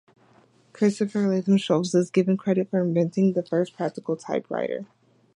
Christopher Latham Sholes is given credit for inventing the first "practical" typewriter.